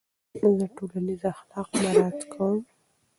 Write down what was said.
زه ټولنیز اخلاق مراعت کوم.